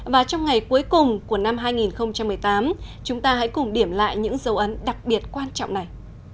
và trong ngày cuối cùng của năm hai nghìn một mươi tám chúng ta hãy cùng điểm lại những dấu ấn đặc biệt quan trọng này